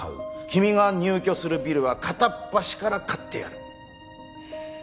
君が入居するビルは片っ端から買ってやる。